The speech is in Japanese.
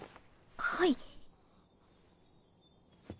はい。